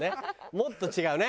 もっと違うね。